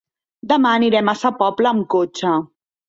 Demà anirem a Sa Pobla amb cotxe.